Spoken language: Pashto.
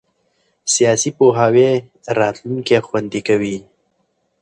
سیاسي پوهاوی راتلونکی خوندي کوي